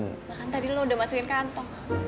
enggak kan tadi lo udah masukin kantong